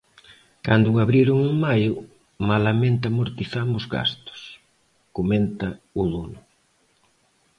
Cando abriron en maio, "malamente amortizamos gastos", comenta o dono.